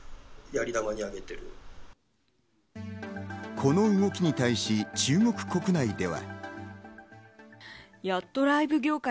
この動きに対し中国国内では。